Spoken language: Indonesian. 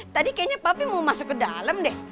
tadi kayaknya papi mau masuk ke dalam deh